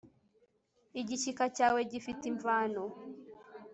igishyika cyawe gifite imvano